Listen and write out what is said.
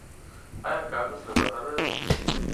آیا کاغذ له بهر راځي؟